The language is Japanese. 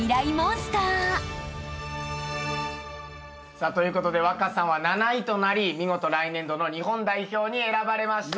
さあということで稚さんは７位となり見事来年度の日本代表に選ばれました！